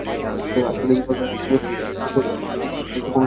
আশা করি, সরকার অনতিবিলম্বে নগর সরকার প্রতিষ্ঠার লক্ষ্যে একটি কমিশন গঠন করবে।